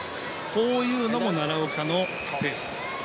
こういうのも奈良岡のペース。